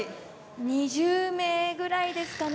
２０名ぐらいですかね